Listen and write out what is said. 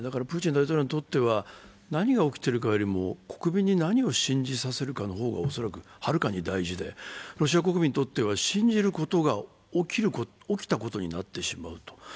プーチン大統領にとっては、何が起きているかよりも、国民に何を信じさせるかの方がはるかに大事でロシア国民にとっては信じることが起きたことになってしまうと。